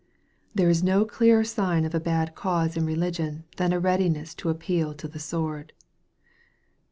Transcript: There is no clearer sign of a bad cause in religion than a readiness to appeal to the sword.